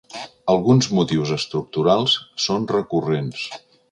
Alguns motius estructurals són recurrents.